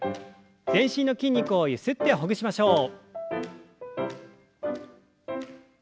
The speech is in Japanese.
全身の筋肉をゆすってほぐしましょう。